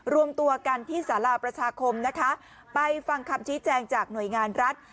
รวมตัวกันที่สาราประชาคมนะคะไปฟังคำชี้แจงจากหน่วยงานรัฐ